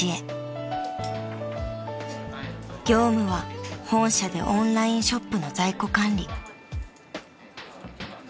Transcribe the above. ［業務は本社でオンラインショップの在庫管理］